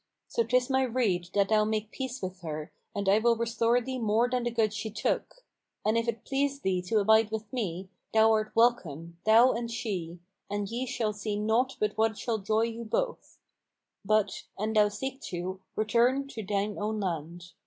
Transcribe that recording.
So 'tis my rede that thou make peace with her and I will restore thee more than the good she took; and if it please thee to abide with me, thou art welcome, thou and she, and ye shall see naught but what shall joy you both; but, an thou seek to, return to thine own land.